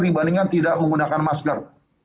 dibandingkan tidak menggunakan masker